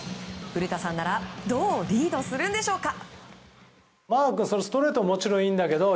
古田さんならどうリードするんでしょうか？